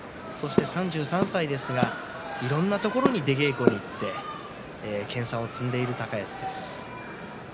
３３歳ですがいろんなところに出稽古に行って研さんを積んでいる高安です。